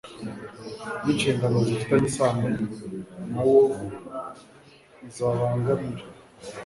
n inshingano zifitanye isano na wo zabangamira